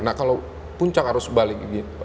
nah kalau puncak arus balik ini